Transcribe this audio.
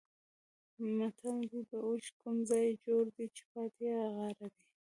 متل دی: د اوښ کوم ځای جوړ دی چې پاتې یې غاړه ده.